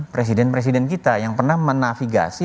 presiden presiden kita yang pernah menafigasi